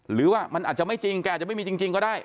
หรือว่ามันอาจจะไม่จริงแกอาจจะไม่มีจริงก็ได้